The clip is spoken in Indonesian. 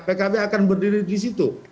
pkb akan berdiri di situ